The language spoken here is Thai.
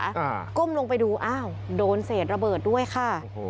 อ่ะก้มลงไปดูอ้าวโดนเสร็จระเบิดด้วยค่ะ